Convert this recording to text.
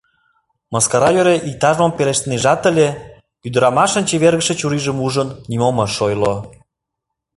Мыскара йӧре иктаж-мом пелештынежат ыле, ӱдырамашын чевергыше чурийжым ужын, нимом ыш ойло.